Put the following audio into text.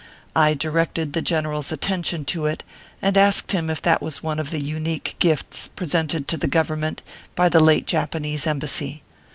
I directed the general s atten tion to it, and asked him if that was one of the unique gifts presented to the Government by the late Japa nese embassy